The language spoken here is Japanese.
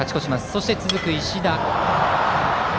そして続く、石田。